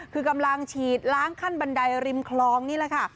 คือกำลังฉีดล้างขั้นบันไดริมคลองนี่แหละค่ะ